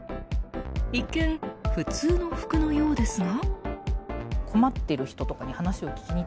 一見、普通の服のようですが。